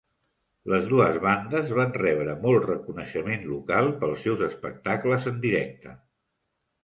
Les dues bandes van rebre molt reconeixement local pels seus espectacles en directe.